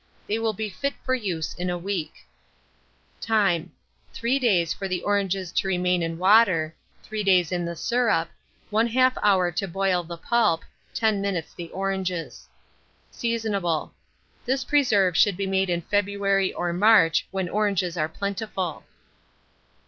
They will be fit for use in a week. Time. 3 days for the oranges to remain in water, 3 days in the syrup; 1/2 hour to boil the pulp, 10 minutes the oranges. Seasonable. This preserve should be made in February or March, when oranges are plentiful.